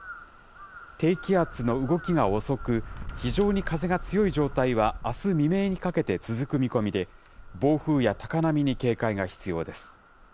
低気圧の動きが遅く、非常に風が強い状態はあす未明にかけて続く見込みで、暴風や高波に警戒が必要です。